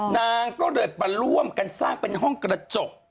นางก็เริ่มไปร่วมกันซ่าเป็นห้องกระจก